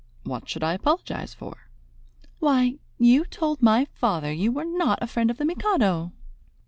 What should I apologize for?" "Why, you told my father you were not a friend of the Mikado!"